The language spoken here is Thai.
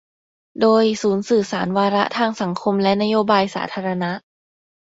โดย ศูนย์สื่อสารวาระทางสังคมและนโยบายสาธารณะ